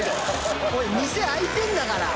おい店開いてるんだから！